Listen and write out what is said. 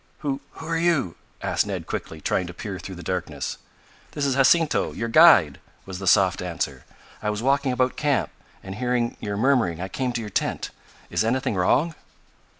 "Who who are you?" asked Ned quickly, trying to peer through the darkness. "This is Jacinto your guide," was the soft answer. "I was walking about camp and, hearing you murmuring, I came to your tent. Is anything wrong?"